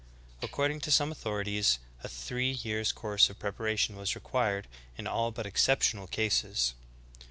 According to some authorities a three years' course of preparation was required in all but exceptional cases.''